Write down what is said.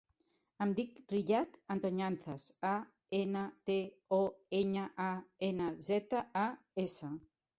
Em dic Riyad Antoñanzas: a, ena, te, o, enya, a, ena, zeta, a, essa.